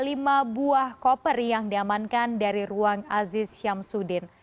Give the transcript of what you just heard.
lima buah koper yang diamankan dari ruang aziz syamsuddin